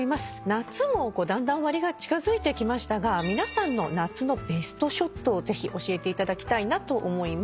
夏もだんだん終わりが近づいてきましたが皆さんの夏のベストショットをぜひ教えていただきたいなと思います。